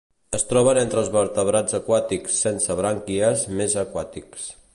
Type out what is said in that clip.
Es troben entre els vertebrats aquàtics sense brànquies més aquàtics.